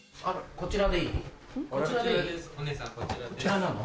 こちらでいいの？